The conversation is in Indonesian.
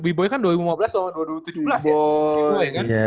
bboy kan dua ribu lima belas dong dua ribu tujuh belas ya